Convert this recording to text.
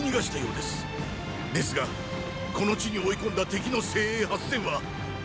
ですがこの地に追い込んだ敵の精鋭八千はご覧のとおり。